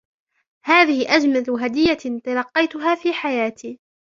هذه أجمل هدية تلقيتها في حياتي.